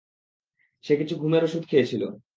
সে কিছু ঘুমের ওষুধ খেয়েছিল।